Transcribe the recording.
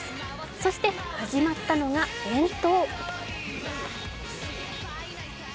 そして始まったのが遠投。